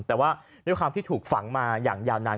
แต่ว่าด้วยความที่ถูกฝังมาอย่างยาวนาน